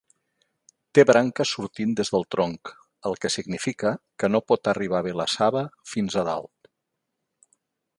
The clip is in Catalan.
Té branques sortint des del tronc, el que significa que no pot fer arribar bé la saba fins a dalt.